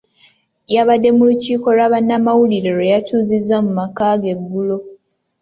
Yabadde mu lukiiko lwa bannamawulire lwe yatuuzizza mu maka ge eggulo.